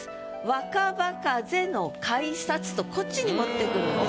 「若葉風の改札」とこっちに持ってくるんです。